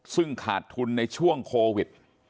ซึ่งขาดทุนในช่วงโควิด